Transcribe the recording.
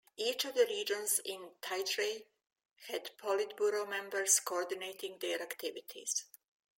Each of the regions in Tigray had politburo members coordinating their activities.